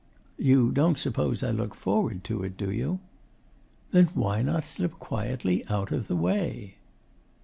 'You don't suppose I look forward to it, do you?' 'Then why not slip quietly out of the way?